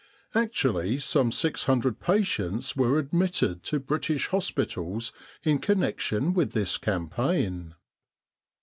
Actually some 600 patients were admitted to British hospitals in connection with this campaign.